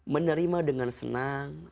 menerima dengan senang